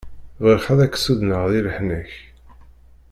Bɣiɣ ad k-sudenɣ di leḥnak.